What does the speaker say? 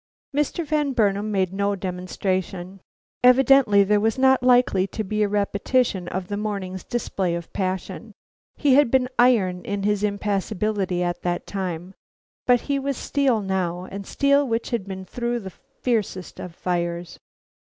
Mr. Van Burnam made no demonstration. Evidently there was not likely to be a repetition of the morning's display of passion. He had been iron in his impassibility at that time, but he was steel now, and steel which had been through the fiercest of fires.